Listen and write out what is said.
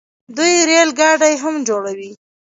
دوی ریل ګاډي هم جوړوي.